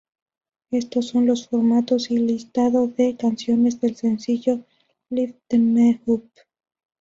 Estos son los formatos y listado de canciones del sencillo "Lift Me Up".